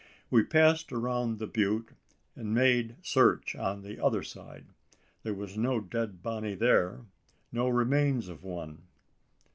We passed around the butte, and made search on the other side. There was no dead body there no remains of one.